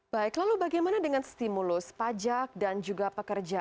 baik lalu bagaimana dengan stimulus pajak dan juga pekerja